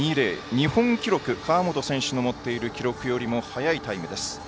日本記録は川元選手が持っている記録よりも早いタイムです。